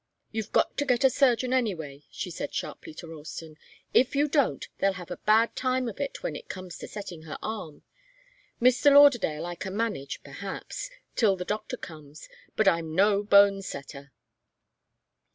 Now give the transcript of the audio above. "You've got to get a surgeon, anyway," she said, sharply, to Ralston. "If you don't, they'll have a bad time when it comes to setting her arm. Mr. Lauderdale I can manage, perhaps, till the doctor comes, but I'm no bone setter."